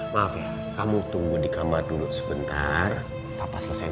kalau kamu suka uh invite tante